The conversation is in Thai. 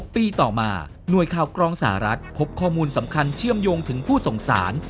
ปีต่อมาหน่วยข่าวกรองสหรัฐพบข้อมูลสำคัญเชื่อมโยงถึงผู้สงสาร